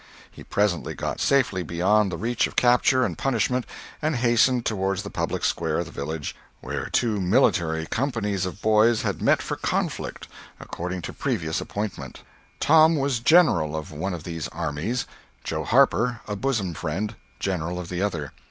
He presently got safely beyond the reach of capture and punishment, and hastened toward the public square of the village, where two "military" companies of boys had met for conflict, according to previous appointment. Tom was General of one of these armies, Joe Harper (a bosom friend) General of the other.